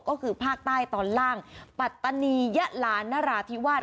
ก็คือภาคใต้ตอนล่างปัตตานียะลานราธิวาส